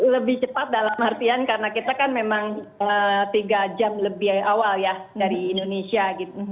lebih cepat dalam artian karena kita kan memang tiga jam lebih awal ya dari indonesia gitu